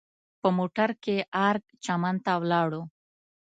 په موټر کې ارګ چمن ته ولاړو.